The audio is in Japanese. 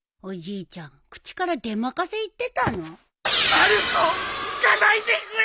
まる子行かないでくれ！